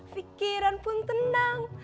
fikiran pun tenang